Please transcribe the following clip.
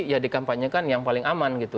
ya dikampanyekan yang paling aman gitu